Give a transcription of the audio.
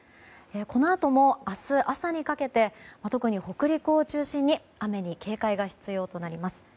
このあとも明日朝にかけて特に北陸を中心に雨に警戒が必要となります。